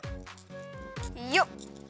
よっ。